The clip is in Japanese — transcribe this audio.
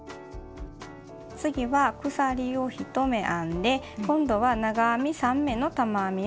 次は鎖を１目編んで今度は長編み３目の玉編みを編みます。